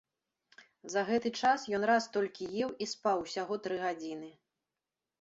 За гэты час ён раз толькі еў і спаў усяго тры гадзіны.